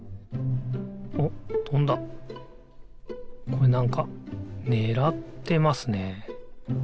これなんかねらってますね。